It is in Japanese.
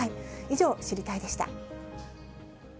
以上、知りたいッ！でした。